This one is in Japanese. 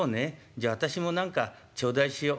じゃ私も何か頂戴しよう。